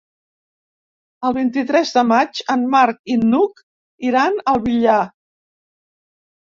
El vint-i-tres de maig en Marc i n'Hug iran al Villar.